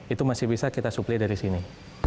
itu masih bisa kita suplai dari sini